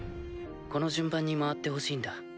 この順番に回ってほしいんだ。